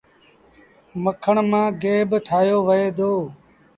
مکڻ مآݩ گيه با ٺآهيو وهي دو۔